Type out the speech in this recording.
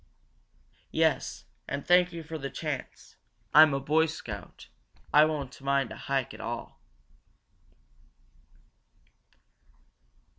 "Yes, and thank you for the chance, I'm a Boy Scout; I won't mind a hike at all."